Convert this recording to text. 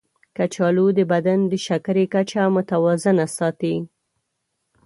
کچالو د بدن د شکرې کچه متوازنه ساتي.